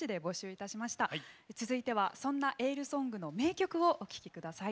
続いてはそんなエールソングの名曲をお聴きください。